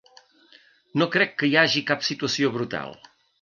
No crec que hi hagi cap situació brutal.